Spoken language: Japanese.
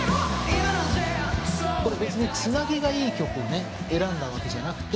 これ別につなぎがいい曲選んだわけじゃなくて。